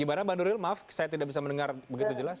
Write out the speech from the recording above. gimana mbak nuril maaf saya tidak bisa mendengar begitu jelas